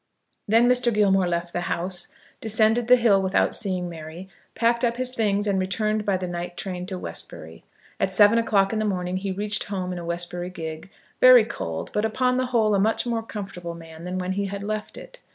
Then Mr. Gilmore left the house, descended the hill without seeing Mary, packed up his things, and returned by the night train to Westbury. At seven o'clock in the morning he reached home in a Westbury gig, very cold, but upon the whole, a much more comfortable man than when he had left it.